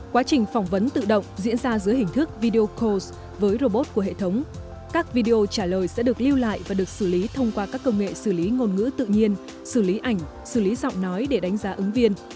quá trình phỏng vấn tự động diễn ra dưới hình thức video calls với robot của hệ thống các video trả lời sẽ được lưu lại và được xử lý thông qua các công nghệ xử lý ngôn ngữ tự nhiên xử lý ảnh xử lý giọng nói để đánh giá ứng viên